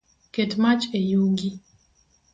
Ket mach e yugi